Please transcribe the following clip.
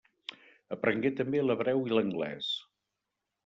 Aprengué també l'hebreu i l'anglès.